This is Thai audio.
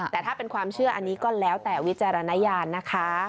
แต่ถ้าเป็นความเชื่ออันนี้ก็แล้วแต่วิจารณญาณนะคะ